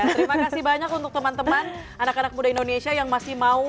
terima kasih banyak untuk teman teman anak anak muda indonesia yang masih mau